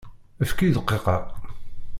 Efk-iyi dqiqa!